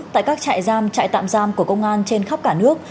tại các trại giam trại tạm giam của công an trên khắp cả nước